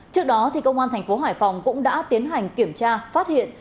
trước đó công an thành phố hải phòng cũng đã tiến hành kiểm tra phát hiện